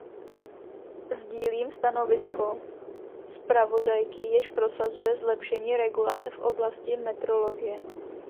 Sdílím stanovisko zpravodajky, jež prosazuje zlepšení regulace v oblasti metrologie.